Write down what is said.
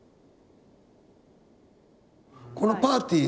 このパーティー。